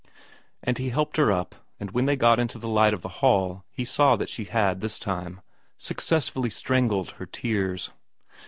And he helped her up, and when they got into the light of the hall he saw that she had, this time, success fully strangled her tears.